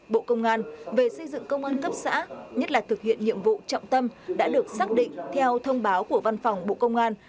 bộ công an về xây dựng công an cấp xã nhất là thực hiện nhiệm vụ trọng tâm đã được xác định theo thông báo của văn phòng bộ công an